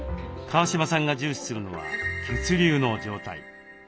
川嶋さんが重視するのは血流の状態。